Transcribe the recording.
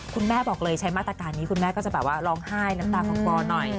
คุณแม่บอกเลยใช้มาตรการนี้คุณแม่ก็จะแบบว่าร้องไห้น้ำตาคลอหน่อย